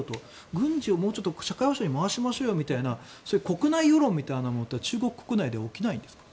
軍事をもうちょっと社会保障に回しましょうよみたいなそういう国内世論みたいなものは中国国内では起きないんですか？